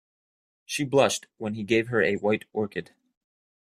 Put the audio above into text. She blushed when he gave her a white orchid.